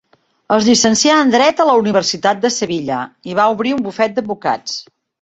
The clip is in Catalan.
Es llicencià en dret a la Universitat de Sevilla i va obrir un bufet d'advocats.